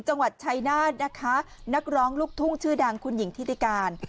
จังหวัดชัยนาธนะคะนักร้องลูกทุ่งชื่อดังคุณหญิงทิติการ